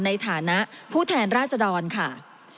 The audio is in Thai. ในฐานะผู้แทนราษดรค่ะ